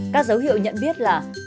các dấu hiệu nhận biết là